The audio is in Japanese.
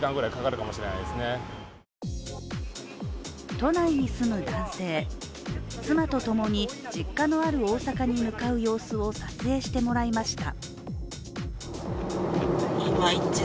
都内に住む男性、妻とともに実家のある大阪に向かう様子を撮影してもらいました。